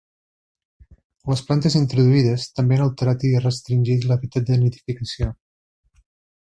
Les plantes introduïdes també han alterat i restringit l'hàbitat de nidificació.